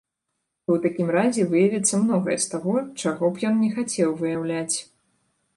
Бо ў такім разе выявіцца многае з таго, чаго б ён не хацеў выяўляць.